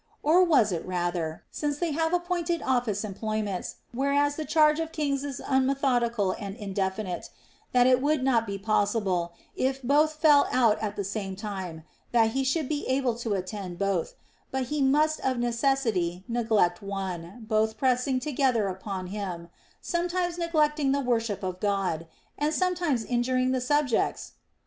Or was it rather, — since they have appointed office em ployments, whereas the charge of kings is unmethodical and indefinite, — that it would not be possible, if both fell out at the same time, that he should be able to attend both, but he must of necessity neglect one (both pressing to gether upon him), sometimes neglecting the worship of God, and sometimes injuring the subjects